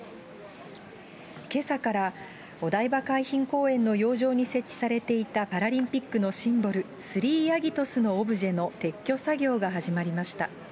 けさからお台場海浜公園の洋上に設置されていたパラリンピックのシンボル、スリーアギトスのオブジェの撤去作業が始まりました。